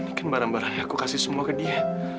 ini kan barang barangnya aku kasih semua ke dia